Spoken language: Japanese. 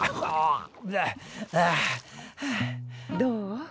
どう？